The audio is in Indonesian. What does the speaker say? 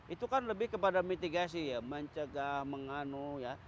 itu kan lebih kepada mitigasi ya mencegah menganu ya